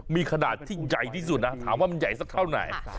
มีขนาดที่ใหญ่ที่สุดนะถามว่ามันใหญ่สักเท่าไหน